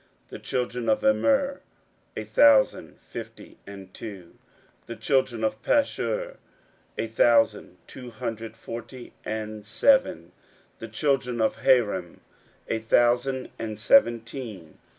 16:007:040 The children of Immer, a thousand fifty and two. 16:007:041 The children of Pashur, a thousand two hundred forty and seven. 16:007:042 The children of Harim, a thousand and seventeen.